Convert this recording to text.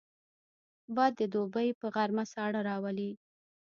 باد د دوبي په غرمه ساړه راولي